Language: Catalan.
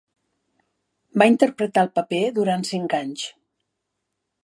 Va interpretar el paper durant cinc anys.